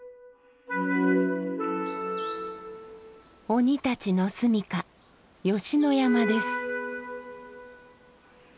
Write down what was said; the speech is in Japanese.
鬼たちのすみか吉野山です。